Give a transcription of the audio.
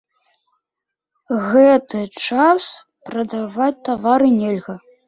Гэты час прадаваць тавар нельга.